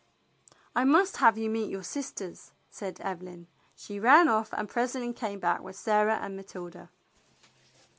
"I must have you meet your sisters," said Evelyn. She ran off and presently came back with Sarah and Matilda.